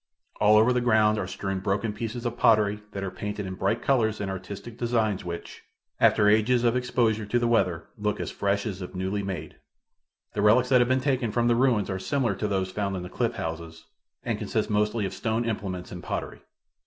All over the ground are strewn broken pieces of pottery that are painted in bright colors and artistic designs which, after ages of exposure to the weather, look as fresh as if newly made, The relics that have been taken from the ruins are similar to those found in the cliff houses, and consist mostly of stone implements and pottery.